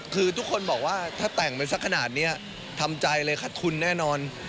คือทุกคนบอกว่าถ้าแต่งมันสักขนาดนี้ทำใจเลยคัดทุนแน่นอน